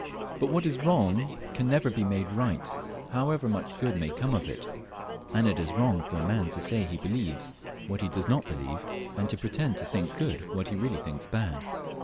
But what is wrong can never be made right, however much good may come from it ; and it is wrong for a man to say he believes what he does not believe, and to pre tend to think good what he really thinks bad.